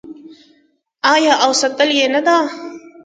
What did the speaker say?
آیا او ساتلی یې نه دی؟